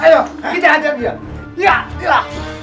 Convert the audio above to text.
ayo kita hajar dia